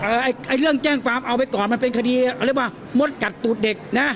ไอ้ไอ้เรื่องแจ้งความเอาไปก่อนมันเป็นคดีเขาเรียกว่ามดกัดตูดเด็กนะ